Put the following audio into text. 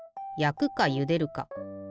やくかゆでるか。